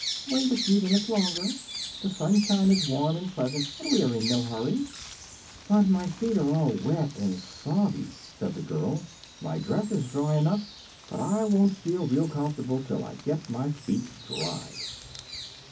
"Wait a few minutes longer. The sunshine is warm and pleasant, and we are in no hurry." "But my feet are all wet and soggy," said the girl. "My dress is dry enough, but I won't feel real comfor'ble till I get my feet dried."